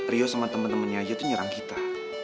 rio sama temen temennya aja tuh nyerang kita